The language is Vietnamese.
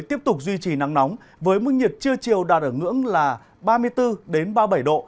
tiếp tục duy trì nắng nóng với mức nhiệt trưa chiều đạt ở ngưỡng là ba mươi bốn ba mươi bảy độ